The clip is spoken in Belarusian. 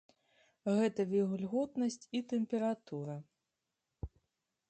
Гэта вільготнасць і тэмпература.